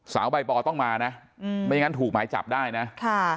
สาวใบปอล์ต้องมานะไม่งั้นถูกหมายจับได้นะ